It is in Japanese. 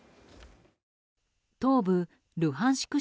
東部ルハンシク